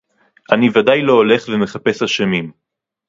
אני ודאי לא הולך ומחפש אשמים